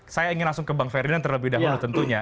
saya ingin langsung ke bang ferdinand terlebih dahulu tentunya